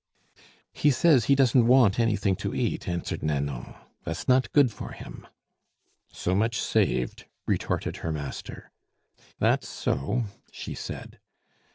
"He says he doesn't want anything to eat," answered Nanon; "that's not good for him." "So much saved," retorted her master. "That's so," she said.